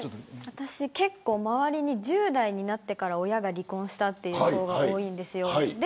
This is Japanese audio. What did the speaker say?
私は周りに１０代になってから親が離婚したという子も多いんですよ。